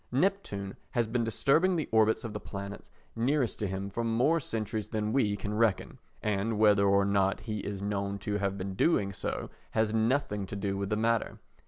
Neptune has been disturbing the orbits of the planets nearest to him for more centuries than we can reckon, and whether or not he is known to have been doing so has nothing to do with the matter.